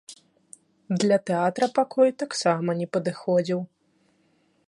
Для тэатра пакой таксама не падыходзіў.